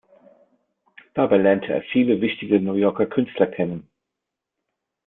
Dabei lernt er viele wichtige New Yorker Künstler kennen.